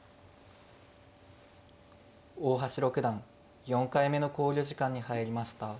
大橋六段４回目の考慮時間に入りました。